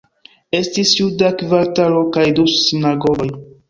Estis juda kvartalo kaj du sinagogoj.